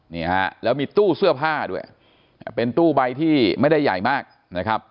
นี่ฮะแล้วมีตู้เสื้อผ้าด้วยเป็นตู้ใบที่ไม่ได้ใหญ่มากนะครับ